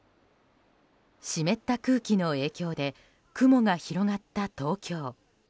湿った空気の影響で雲が広がった東京。